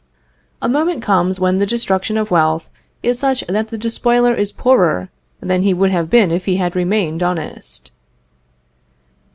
A moment comes when the destruction of wealth is such that the despoiler is poorer than he would have been if he had remained honest.